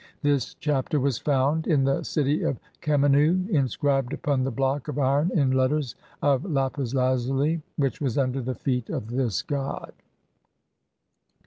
THIS CHAPTER WAS FOUND (52) IN THE CITY OF KHEMENNU INSCRIBED UPON THE BLOCK OF IRON IN LETTERS OF LAPIS LAZUI.I WHICH WAS UNDER THE FEET OF THIS GOD.